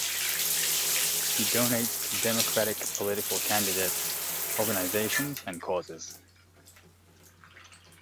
She donates to Democratic political candidates, organizations, and causes.